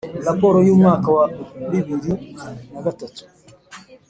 Raporo y umwaka wa bibiri na gatatu